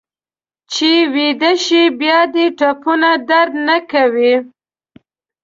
چې ویده شې بیا دې ټپونه درد نه کوي.